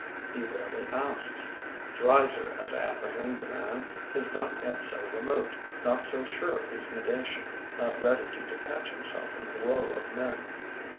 He rarely asks. Dreiser, as I apprehend the man, is not yet so remote, not so sure of his negation, not ready to detach himself from the woe of men.